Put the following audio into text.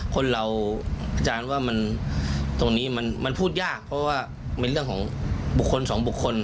คนเราอาจารย์ว่ามันตรงนี้มันพูดยากเพราะว่าเป็นเรื่องของบุคคลสองบุคคล